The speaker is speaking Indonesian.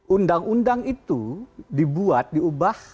undang undang itu dibuat diubah